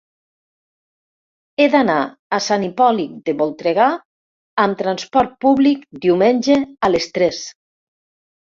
He d'anar a Sant Hipòlit de Voltregà amb trasport públic diumenge a les tres.